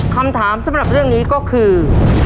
คำถามสำหรับเรื่องนี้ก็คือ